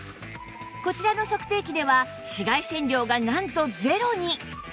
こちらの測定器では紫外線量がなんとゼロに！